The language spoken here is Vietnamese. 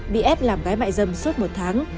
bị ép làm gái bại dâm suốt một tháng